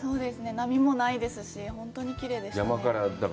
波もないですし、本当にきれいでした。